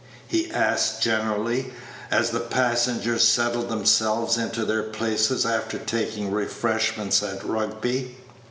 he asked generally, as the passengers settled themselves into their places after taking refreshment at Rugby.